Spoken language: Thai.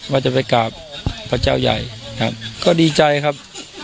วาดจะไปกลับพระเจ้าใหญ่ก็ดีใจครับ